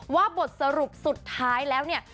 บทสรุปสุดท้ายแล้วเนี่ย